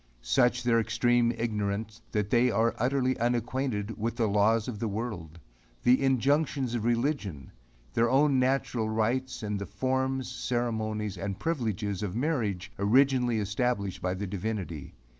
Such is their extreme ignorance that they are utterly unacquainted with the laws of the world the injunctions of religion their own natural rights, and the forms, ceremonies and privileges of marriage originally established by the Divinity.